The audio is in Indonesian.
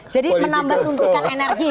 jadi menambah suntikan energi